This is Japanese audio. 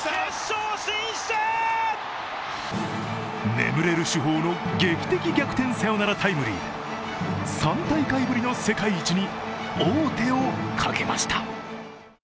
眠れる主砲の劇的逆転サヨナラタイムリーで３大会ぶりの世界一に王手をかけました。